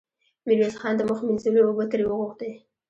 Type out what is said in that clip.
ميرويس خان د مخ مينځلو اوبه ترې وغوښتې.